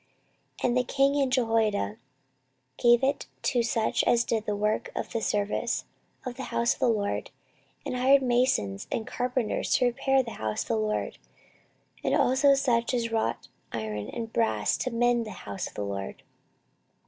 14:024:012 And the king and Jehoiada gave it to such as did the work of the service of the house of the LORD, and hired masons and carpenters to repair the house of the LORD, and also such as wrought iron and brass to mend the house of the LORD.